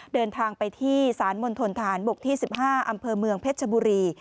เดินทางไปที่สารมณฑนฐานบกที่๑๕อำเภอเมืองเพชรชบุรี